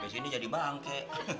sini jadi bangke